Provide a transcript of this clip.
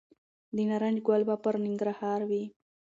د نارنج ګل به پرننګرهار وي